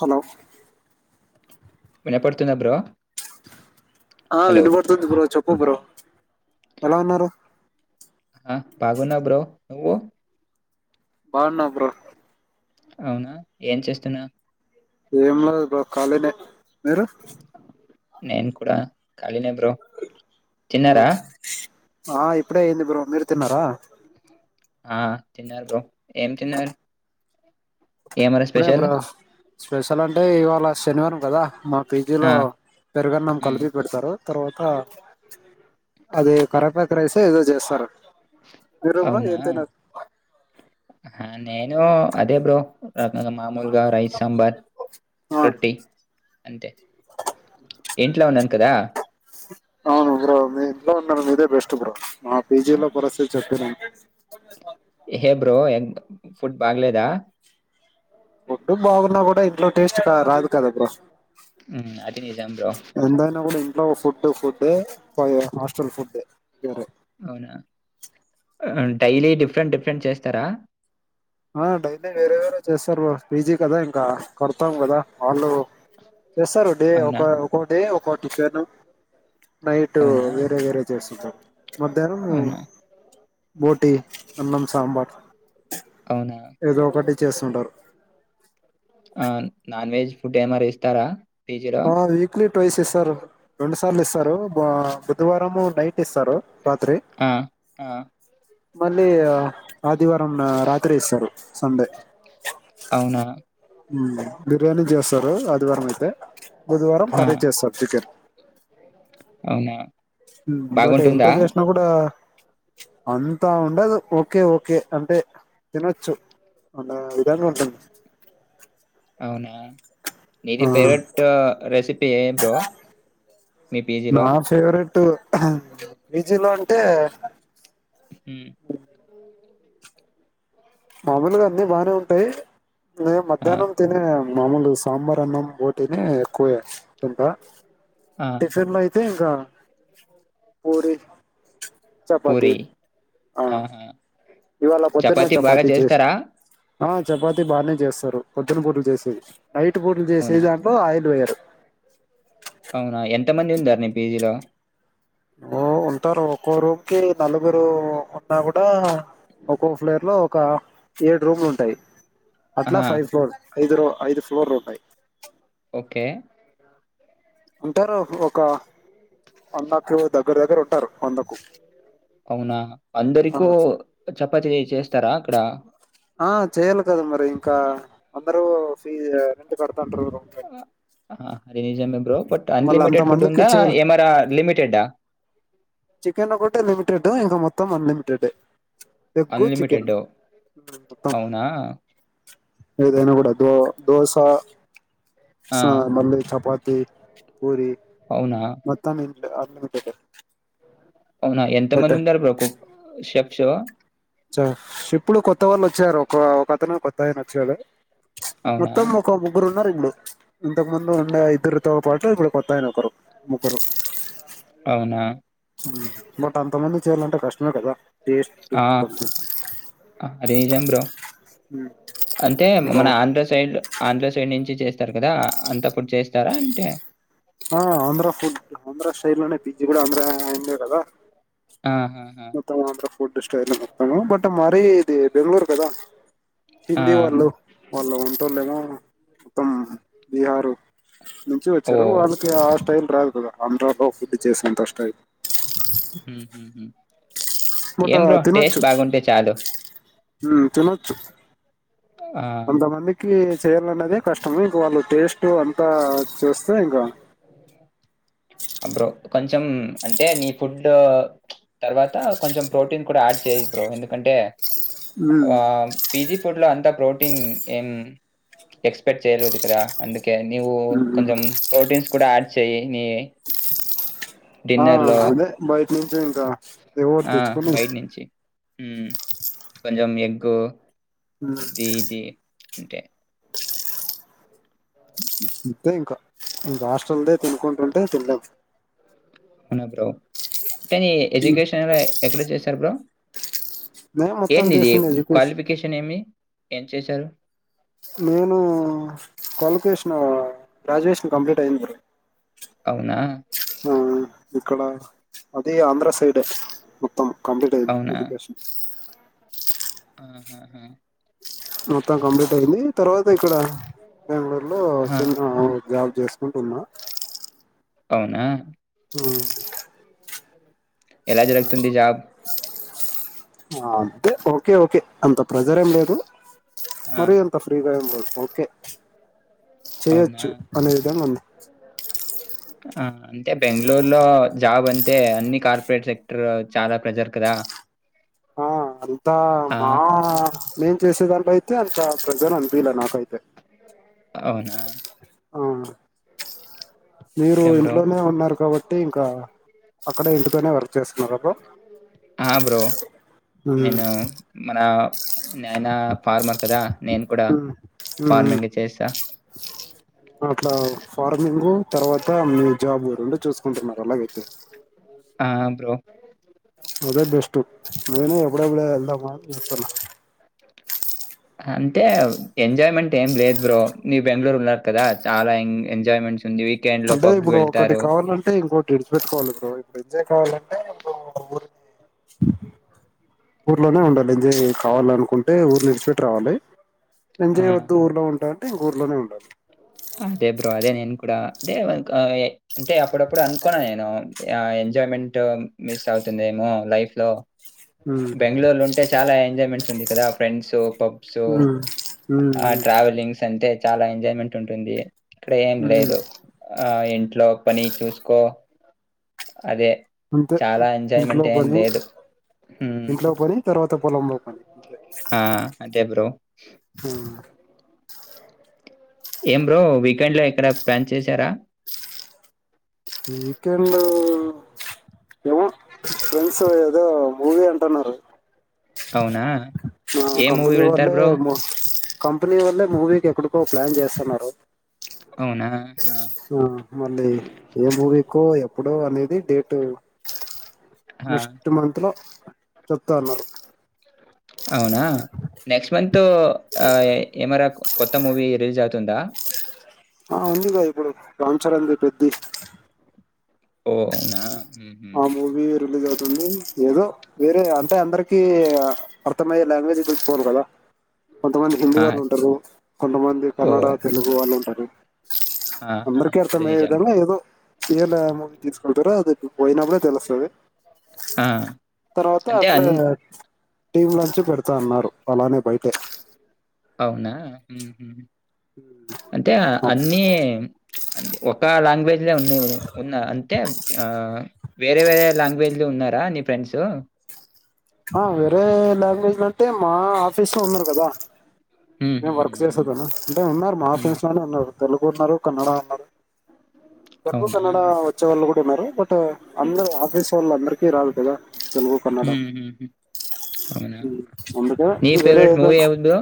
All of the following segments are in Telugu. హలో వినపడుతుంద బ్రో ఆ హలో వినపడుతుంది బ్రో చెప్పు బ్రో ఎలా ఉన్నారు ఆ బాగున్నా బ్రో నువ్వు బాగున్నా బ్రో అవునా ఏం చేస్తున్నావు ఏం లేదు బ్రో ఖాళీనే మీరు నేను కూడా ఖాళీనె బ్రో తిన్నారా ఆ ఇప్పుడే అయింది బ్రో మీరు తిన్నారా ఆా తిన్నారు బ్రో ఏం తిన్నారు ఏమరా ఇప్పుడే స్పెషల్? బ్రో స్పెషల్ అంటే ఇవాళ శనివారం కదా మ పీజీ ఆ! లో పెరుగన్నం హ్మ్. కలిపి పెడతారు తర్వాత అది కరెపకు రైస్ ఏదో చేస్తారు మీరు బ్రో అవునా ఏం తిన్నారు నేను అదే బ్రో రానగ మాములుగా రైస్, సాంబార్, ఆ రొట్టి అంతే ఇంట్లో ఉన్నాను కదా అవును ఉగ్ర అది అవును మేడమ్ ఇదే బస్ట్ బ్ర మా పీజీ ఆ, లో పరిస్థితి చెప్పనండి అ హే బ్రో ఎ ఫుడ్ బాగలేదా ఒడ్డు బాగున్నా కూడా ఎట్లో టేస్ట్ రాదు కదా బ్ర హ్మ్. అది నిజం బ్రో. ఎంతైనా కూడా ఇంట్లో ఫుడ్ ఫుడ్ ఏ ఫ హాస్టెల్ ఫుడ్ వేర అవునా డైలీ డిఫరెంట్ డిఫరెంట్ చేస్తారా ఆ డైలీ వేరేవేరే చేస్తారు పీజీ కదా ఇంకా కడతాం కదా వాళ్ళు చేస్తారు డే ఒక అవునా! ఒక డే కోటి చేను నైట్ అవునా! వేరే వేరే చేస్తుంటారు మధ్యాహ్నం అవునా! బోటి అన్నం సాంబార్ అవునా! ఏదో ఒకటి చేస్తుంటారు ఆ నాన్ వెజ్ ఫుడ్ ఏమరి ఇస్తారా పీజీలో ఆ వీక్లీ వస్ ఇస్తారు రెండు సార్లు ఇస్తారు బుధవారంము నైట్ ఇస్తారు రాత్రి ఆ ఆ, మళ్ళీ ఆదివారం రాత్రి ఇస్తారు సండే అవునా బిర్యానీ చేస్తారు ఆదివారం అయితే బుధవారం ఆ కర్రీ చేస్తారు చికెన్ అవునా భట్ ఎంత బాగుంటుందా చేసినా కూడా అంతా ఉండదు ఓకే ఓకే అంటే తినొచ్చు అ విధానం ఉంటుంది అవునా నీది ఆ ఫేవరెట్ రెసిపీ ఏ బ్రో మీ పీజీలో టు విజలు అంటే హుమ్ మామూలుగా అన్నిీ బానే ఉంటాయి నే ఆ మధ్యాహ్నం తిిన మామూలు సాంబార్ అన్నం పోటీనే ఎక్కువే తింట ఆ టిఫిన్ లో అయితే ఇకా పూరి చపాతి పూరి ఆ ఆహా ఇవాళ పొద్దున్న చపాతి బాగా చేసిన చేస్తారా ఆ చపాతి బాగానే చేస్తారు పొద్దున పూట చేసేది నైట్ పూట చేసే అవునా దాంట్లో ఆయిల్ వేయరు అవునా ఎంత మంది ఉన్నారుా నీ పీజీలో ఓ ఉంటారు ఒక్కో రూమ్ కి నలుగురు ఉన్నా కూడా ఒకక్కో ఫ్లేయర్ లో ఒక ఏడు రూములు ఉంటాయి అట్లా ఆహా ఫైవ్ ప్లోర్ ఐదు రో ఐదు ఫ్లోర్లు ఉంటాయి ఓకే అంటారు ఒక అన్న ఫ్యోతప్ దగ్గరదగ్గర ఉంటారు వందకు అవునా ఆ అందరికో చపా చే చేస్ తరాగ్ క్కడ ఆ చెయాలి కదా మరి ఇంకా అందరు ఫీజు తంట ర ఉంట ఆ ఏ జం ఎ బ్రో బట్ అన్లిమిటెడ్ ఫుడ్ మందికి ఉందా చేయాలి ఎంర్ లిమిటెడ్డా చికెనోకటిే లిమిటెడ్ ఇంకా మొత్తం అన్లిమిటెడ్ ఎగ్గు చికెన్ అన్లిమిటెడ్ అవునా ఏదైన కూడా దో దోస ఆ! స మళ్ళీ చపా ఇ కురి అవునా? మొత్తం ఇంట అవునా బట్ ఎంతమంది ఉన్నారుబ్రోకు శఫ్ శవ చా ఇప్పుడు కొత్త వాలోచ్చారు ఒక ఒక అతను కొత్తయిన వచ్చేారు అవునా? మొత్తం ముఖం ముగ్గురున్నయి ఇడు ఇంతకు ముందు ఉండే ఇద్దరి తో పాటు ఇప్పుడు కొత్తాయిన ఒకరు ముగ్గురు అవునా వాటంతా మంది చెలంటే కష్టమే కదా టేస్ట్ ఆ కొంచెం అది నిజం బ్రో అంటే ఇప్పుడు మన ఆంధ్ర సెడ్ ఆంధ్ర సెడ్ నుంచి చేస్త ారు కదా అంతఃపుడు చేస్తారంటే ఆ ఆంధ్ర ఫుడ్ ఆంధ్ర స్టైలో నే బిజ కూడా ఆంధ్ర అందర్ కదా ఆహాా మొత్తం ఆంధ్ర ఫుడ్ స్టైల్ ఇ మ బట్ మరి ఇది బెంగళూర్ కదా ఆ! హిందీ వాళ్ళు వాళ్ళఉంటలేేమో తొం బిహారు నుంచి వచ్చారు ఓహ్! వాళ్ళకి ఆ స్టైల్ రాదు కదా ఆంధ్రాలో ఫుడ్ చేసినంతష్ట అది హ బట్ ఏం బ్రో టేస్ట్ బాగుంటే చాలు తనుొచ్చు ఆ చేయాలన్నదే కష్టం ఇంక వాళ్ళు టేస్ట్ అంతా చూస్త సేంకా బ్రో కొంచెం అంటే నీ ఫుడ్ తర్వాత కొంచెం ప్రోటీన్ కూడా యాడ్ చేయ బ్రో ఎందుకంటే మ్మ్ ఆ పీజీ ఫుడ్ లో అంతా ప్రో న్ ఎం ఎక్స్పెక్ట్ చేయరుదుకురా అందు మ్మ్ కొంచెం ప్రోటీన్స్ కూడాడ్ చెయ ని ఆ అదే బయట నుంచి ఇంకా ఎరు తెచ్చుకోని కొంచం ఎగ్గూ మ్మ్ దీటి అంటే అంతే ఇంకా ఇం హష్ట్రల్దే తినుకుంటుంటే తినలేము ఆవున బ్రో అంటే నీ ఎడ్యుకేషన్ ఎక్కడ చేశారు బ్రో నే మొత్తం ఏంటిది చేసింది ఎడ్యుకేషన్ క్వాలిఫికేషన్ ఏమి ఎం చేసారు నేను కొల్కష్ గ్రాడుయేషన్ కంప్లీట్ అయి్యంది అవునా ఆ ఇక్కడ అది ఆంధ్ర సైడ్ మొత్తం కంప్లీట్ అయి్యంది ఎడ్యుకేషన్ ఆ హ ఆహా మొత్తం కంప్లీట్ అయింది తర్వాత ఇక్కడ బెంగళూరు లో ఆ, చి జాబ్ చేసుకుంటున్నా అవునా ఉ ఎలా జరుగుతుంది జాబ్ అంతే ఓకే ఓకే అంత ప్రెజర్ ఏం లేదు ఆ, మరి ఎంత ఫ్రీగా ఒ ఓకే అవునా చేయొచ్చు అనేదే మంది ఆ అంటే బెంగళూరులో జాబ్ అంటే అన్ని కార్పొరేట్ సెక్టర్ చాలా ప్రజర్ కదా ఆ అంతా ఆ, మా నిన్ చేసేదాంట్లయితే అంతా ప్రేజ్జర్ అనిపిల నాకైతే అవునా ఆహ్ మీరు ఓకే బ్రో. ఇంట్లోనే ఉన్నారు కాబ బట్టి ఇంకా అక్కడే ఇంటిపైనే వర్క్ చేస్తునరా బ్రో ఆ బ్రో ఉమ్ నేను మన నయినా ఫార్మర్ కదా నేను కూడా ఉమ్ ఉమ్, ఉమ్. ఫార్మింగ్ చేసా అట్లా ఫార్మింగ్ తర్వాత మీ జాబ్ రెండు చూసుకుంటున్నారు అలాగైతే ఆ బ్రో అదే బెస్ట్ నేనే ఎప్పుడ ఎప్పుడే వెళ్దామ అని చుతున్నా అంటే ఎంజాయ్మెంట్ ఏం లేదు బ్రో నీ బెంగళూరు బ్లాక్ కదా చాలా ఎంగ్ ఎంజాయ్మెంట్ అంటే ఇప్పుడు ఒకటి కావాలంటే ఇంకోటి ఇడిసిపెట్టుకోవాలి బ్రో ఇప్పుడు ఎంజయ్ కావాలంటే ఇప్పుడు ఊరిని ఊర్లోనే ఉండాలి ఎంజాయ్ కావాలనుకుంటే ఊరిని ఇడిసిపెట్టి రావాలి ఆ! ఎంజాయ్ వద్దు ఊర్లో ఉంటా ఊర్లోనే ఉండాలి అంతే బ్రో అదే నేను కూడా టే అదే అంటే అప్పుడప్పుడు అనుకోన్నా నేనుఆ ఎంజాయ్మెంట్ మిస్ అవుతుందేమో లైఫ్ లో ఉమ్ బెంగళూరులు ఉంటే చాలా ఎంజాయ్మెంట్స్ ఉంది దా ఫ్రెండ్స్ పబ్సు ఉమ్ ఉమ్ ఆ ట్రావెలింగ్స్ అంటే చాలా ఎంజాయ్ మెంట్ టుంటుంది ఇక్కడ ఏం ఉమ్ ఉమ్. లేదు అ ఆ ఇంట్లో పని చూసుకో అదే అంతే చాలా ఇంట్లో ఎంజాయ్మెంట్ ఏం పని లేదు హ్మ్ ఇంట్లో పని తర్వా పొలంలో పని అంతే ఆ అంతే బ్ర ఏం బ్రో వీకెండ్ లో ఎక్కడ ప్లాన్ చేసారా వీకెండ్ లో ఏమో ఫ్రెండ్స్ ఏదో మూవీ అంటున్నారు అవునా మా ఏ మూవీ కంపనీ వెళ్తారు వాళ్లే బ్రో మొ కంపెనీ వాళ్లే మూవీకి ఎక్కడికో ప్లాన్ చేస్తున్నారు ఆ మళ్ళీ ఏ మూవీ కో ఇప్పుడు అనేది డేట్ ఆ నెక్స్ట్ మంత్ లో చెప్తా ఉన్నారు అవునా నెక్స్ట్ మంత్ ఆ ఎమరా కొత్త మూవీ రిలీజ్ అవుతుందా ఆ ఉందిగా ఇప్పుడు రామ్ చరణ్ ది పెద్ది ఓ అవునా హ్మ్ హ్మ్ ఆ మూవీ రిలీజ్ అవుతుంది ఏదో వేరే అంటే అందరికి అర్థమయ్యే లాంగ్వేజ్ తెలుసుకోవాలి కదా కొంతమంది హిందీ ఆ వాళ్ళు ఉంటారు కొంతమంది ఓ కన్నడ తెలుగు వాళ్ళు ఉంటారు ఆ ఆ అందరికి అది అర్థమయ్యే నిజం బ్రో విధంగా ఏదో ఇయల మూవి తీసుకుంటారో అది పోయినప్పుడే తెలుస్తుంది ఆ తర్వాత అంటే అట్లా అన్ టీవిలో నుంచే పెడతా అన్నారు అలానే బయటే అవునా అంటే అన్ని ఒక లాంగ్వేజ్ ఉన్నాయి ఉన్నా అంటే వేరే వేరే లాంగ్వేజ్ లో ఉన్నారా నీ ఫ్రెండ్స్ ఆ వేరే లాంగ్వేజ్ అంటే మా ఆఫీస్ లో ఉన్నారు కదా హ్మ్. మేము హ్మ్. వర్క్ హ్మ్. చేసేదాన అంటే ఉన్నారు మా హ్మ్. హ్మ్. ఆఫీస్ లోనే ఉన్నారు తెలుగు ఉన్నారు కన్నడ ఉన్నారు తెలుగు అవునా? కన్నడ వచ్చే వాళ్ళు కూడా ఉన్నారు బట్ అందరు ఆఫీస్ వాళ్ళు అందరికి చీరాల దగ్గర తెలుగు కన్నడ హ్మ్. హ్మ్. ఉమ్, అందుకే నీ వేరే ఫేవరేట్ మువీ ఏదైనా ఎవద్దో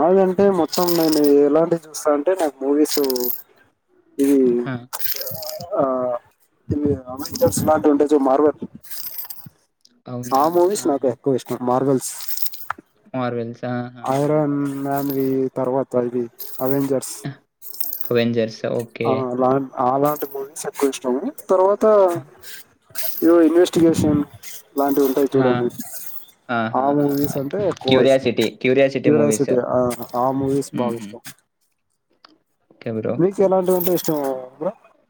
బాగంటే మొత్తం నేను ఎలాంటి చూస్తా అంటే నాకు మూవీస్ ఇ హా ఆ ఇవి అమెస్లాంటి ఉండే మార్వ అవునా? ఆ మూవీస్ నాకు ఆహా! ఎక్కువ ఇష్టం మార్బల్స్ మార్వెల్స్ అయర ఆహాహా! [unintelligible] తర్వాత తయివి అవెంజర్స్ 'అవెంజర్స్' ఓకే. ఆ అలా ఆలాంటి మ తక్కువ ఇష్టము తర్వాత ఏవో ఇన్వెస్టిగేషన్ ఇలాంటివి ఉంటాయి ఆ! చూడండి ఆ ఆహాహాహా! మూవీస్ అంటే ఎక్కువ ఇష్టం 'క్యూరియాసిటీ', మూవీస్. క్యూరియాసిటీ ఆ మూవీస్ హ్మ్. బాగా హ్మ్. ఇష్టం ఓకే బ్రో. మీ ఎలాంటింట ఇష్టం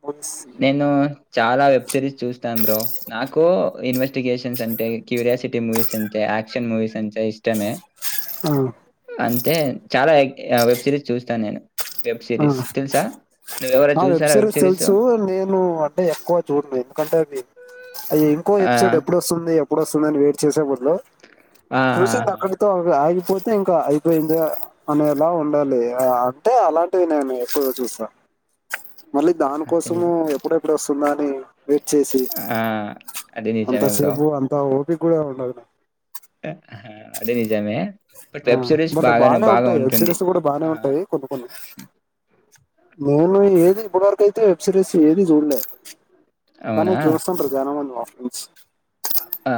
మూవీస్ నేను చాలా వెబ్ సిరీస్ చూస్తాను బ్రో నాకు ఇన్వెస్ట్ స్గేషన్స్ అంటే క్యూరియాసిటీ మూవీస్ అంతే యాక్షన్ మూవీస్ అంటే ఇష్టమే ఆ అయితే చాలా వెబ్ సిరీస్ చూస్తాను నేను వెబ్ సిరీస్ ఆ తెలుసా నువ్వ ఎవర చూసారా వెబ్ సిరీస్ నేను అంటే ఎక్కువ చూడను ఎందుకంటే అయ్య ఇంకో ఆ! ఎపిసోడ్ ఎప్పుడు వస్తుంది ఇప్పు వస్తుందనియిట్ చేేసెబా హలో ఆ! ఆ! చూస అక్కడితో ఆ పోతే ఇంకా అయిపోయింది అనేలా ఉండాలి అంటే అలాంటి ఎప్పు చూసా మళ్ళీ ఆ, అది దానికోసం నిజ ఎప్పుడెప్పుడు వస్తు సన్నారు వెయిట్ చేసి ఆ! అది అంత నిజమే బ్రో. సేపు అంత ఓేపీక గు ఉ అదే నిజమే బట్ ఆ వెబ్ సిరీస్ బట్ బాగానే బానే బాగా ఉంటాయి ఉంటుంది. వెబ్సిరీస్ కూడా బాగానే ఆ! ఉంటాయి కొన్ని కొన్ని నేను ఏది ఇప్పటి వరకుయితే వెబ్ సిరీస్ ఏది చూడలేదు కానీ అవునా? చూసం ప్రధారంం వంద ఆ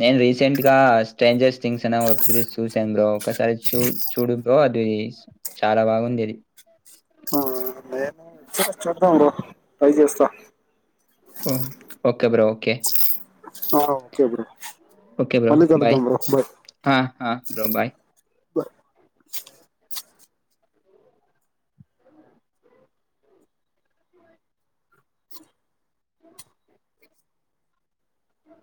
నేను రీసెంట్ గా స్ట్రేంజర్స్ వబ్ సిరిస్ చూ స్ర కస చూడ ది చాలా బాగుంది అది ఆ నేను చడా ట్రై చేస్తా ఓ ఓకే బ్రో ఓకే ఆ ఓకే బ్రో ఓకే బ్రో మళ్ళీ బయ కలుద్దాం bro bye bro bye bro అ